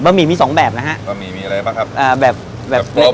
บะหมี่มีสองแบบนะฮะบะหมี่มีอะไรบ้างครับ